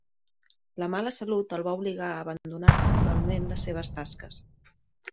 La mala salut el va obligar a abandonar temporalment les seves tasques.